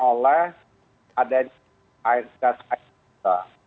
oleh adanya gas air mata